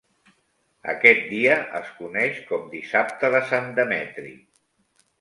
Aquest dia es coneix com Dissabte de Sant Demetri.